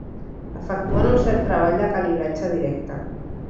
Efectuen un cert treball de calibratge directe.